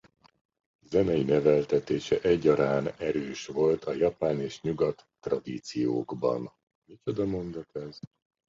Zenei neveltetése egyarán erős volt a japán és nyugat tradíciókban.